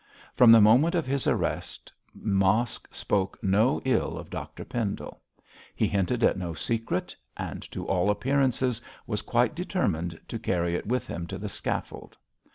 From the moment of his arrest, Mosk spoke no ill of Dr Pendle; he hinted at no secret, and to all appearances was quite determined to carry it with him to the scaffold.